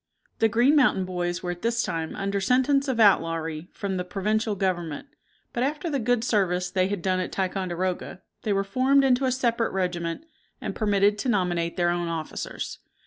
The Green Mountain Boys were at this time under sentence of outlawry from the Provincial Government; but after the good service they had done at Ticonderoga, they were formed into a separate regiment, and permitted to nominate their own officers.